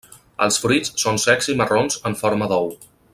Els fruits són secs i marrons en forma d'ou.